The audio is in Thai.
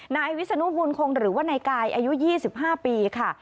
นายวิศนูบูรณ์คงหรือว่าในกายอายุ๒๕ปีค่ะ